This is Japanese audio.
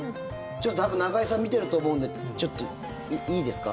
多分、中居さん見てると思うんでちょっといいですか？